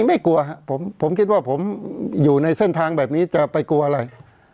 ไม่กลัวครับผมคิดว่าผมอยู่ในเส้นทางแบบนี้จะไปกลัวอะไร